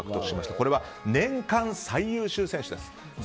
これは年間最優秀選手です。